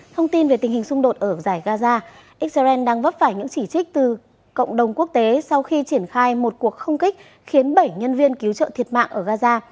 thông tin về tình hình xung đột ở giải gaza israel đang vấp phải những chỉ trích từ cộng đồng quốc tế sau khi triển khai một cuộc không kích khiến bảy nhân viên cứu trợ thiệt mạng ở gaza